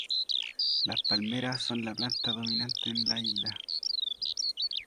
Las palmeras son la planta dominante en las islas.